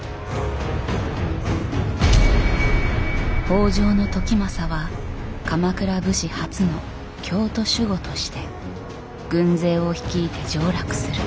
北条時政は鎌倉武士初の京都守護として軍勢を率いて上洛する。